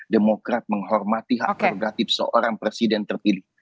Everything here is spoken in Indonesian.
demokrat menghormati hak prerogatif seorang presiden terpilih